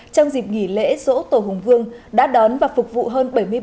trong dịp nghỉ lễ rỗ tổ hùng vương đã đón và phục vụ hơn